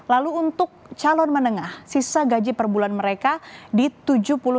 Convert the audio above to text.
lalu untuk calon menengah sisa gaji per bulan mereka ditambahkan ke level paling rendah